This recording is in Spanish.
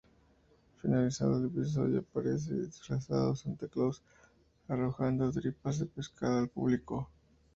Finalizando el episodio, aparece el disfrazado Santa Claus arrojando tripas de pescado al público.